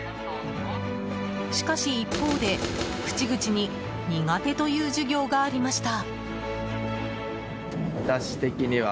しかし一方で、口々に苦手という授業がありました。